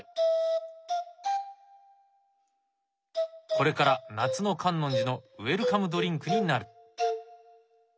これから夏の観音寺のウェルカムドリンクになる。